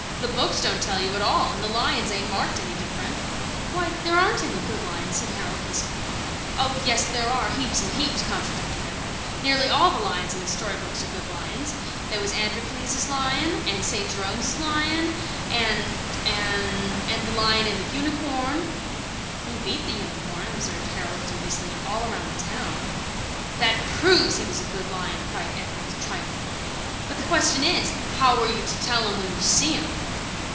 "The books don't tell you at all, and the lions ain't marked any different." "Why, there aren't any good lions," said Harold, hastily. "Oh yes, there are, heaps and heaps," contradicted Edward. "Nearly all the lions in the story books are good lions. There was Androcles' lion, and St. Jerome's lion, and and the Lion and the Unicorn " "He beat the Unicorn," observed Harold, dubiously, "all round the town." "That PROVES he was a good lion," cried Edwards triumphantly. "But the question is, how are you to tell 'em when you see 'em?"